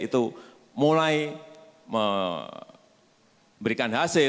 itu mulai memberikan hasil